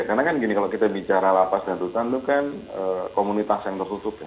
karena kan gini kalau kita bicara lapas dan tutan itu kan komunitas yang tersusup ya